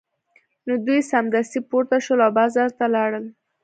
نو دوی سمدستي پورته شول او بازار ته لاړل